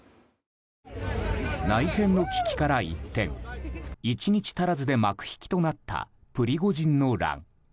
内戦の危機から一転１日足らずで幕引きとなったプリゴジンの乱。